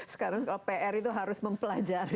sekarang kalau pr itu harus mempelajari